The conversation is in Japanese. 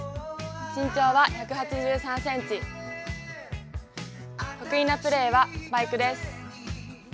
身長は１８３ｃｍ、得意なプレーはスパイクです。